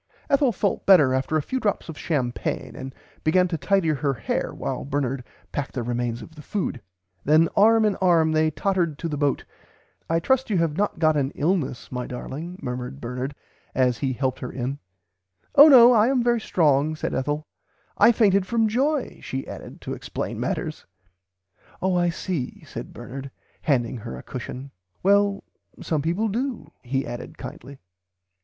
Ethel felt better after a few drops of champaigne and began to tidy her hair while Bernard packed the remains of the food. Then arm in arm they tottered to the boat, I trust you have not got an illness my darling murmured Bernard as he helped her in, Oh no I am very strong said Ethel I fainted from joy she added to explain matters. Oh I see said Bernard handing her a cushion well some people do he added kindly."